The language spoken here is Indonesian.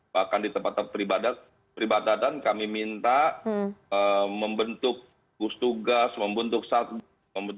bahkan di tempat tempat peribadatan kami minta membentuk gugus tugas membentuk satgas